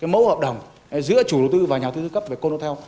mẫu hợp đồng giữa chủ đầu tư và nhà tư tư cấp về cô nô theo